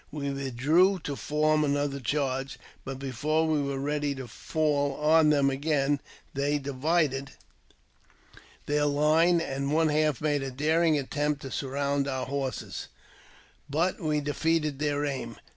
We withdrew to form another charge ; but, before we were ready to fall on them again, they divided their line, and one half made a daring attempt to surround our horses, but we defeated their aim.